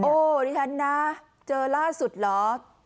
ดิฉันนะเจอล่าสุดเหรอ